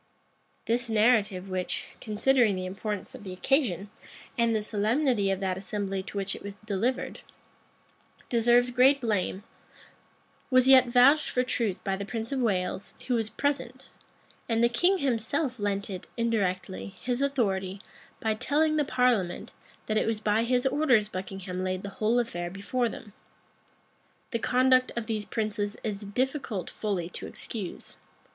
[*] This narrative, which, considering the importance of the occasion, and the solemnity of that assembly to which it was delivered, deserves great blame, was yet vouched for truth by the prince of Wales, who was present; and the king himself lent it, indirectly, his authority, by telling the parliament, that it was by his orders Buckingham laid the whole affair before them. The conduct of these princes it is difficult fully to excuse.